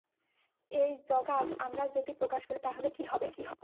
এই জঘন্য কাজ আমরা যদি প্রকাশ করি তাহলে কি হবে?